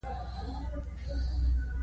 شپږزره روپۍ ورکړې.